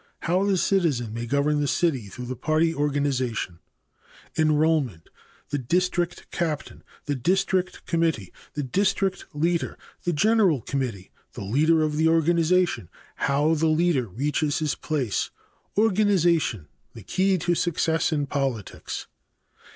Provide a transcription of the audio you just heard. How the citizen may govern the city through the party organization. Enrollment. The district captain. The district committee. The district leader. The general committee. The leader of the organization. How the leader reaches his place. Organization the key to success in politics.